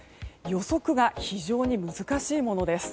予測が非常に難しいものです。